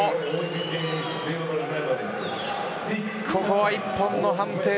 これは一本の判定。